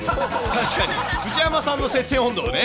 確かに藤山さん、設定温度をね。